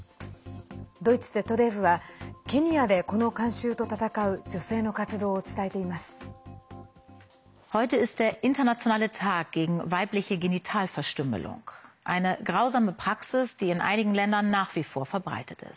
ドイツＺＤＦはケニアで、この慣習と闘う女性の活動を伝えています。